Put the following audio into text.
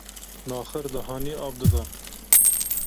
naxir dihanî av didan